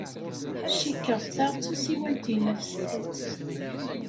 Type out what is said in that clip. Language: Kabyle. Cikkeɣ ta d tasiwant-nnek.